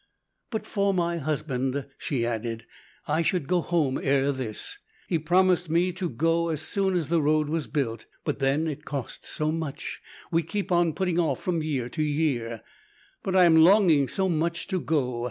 "But for my husband," she added, "I should go home ere this. He promised me to go as soon as the road was built; but then it costs so much, we keep on putting off from year to year. But I am longing so much to go!